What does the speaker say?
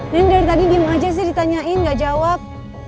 nenek dari tadi diam aja sih ditanyain gak jawab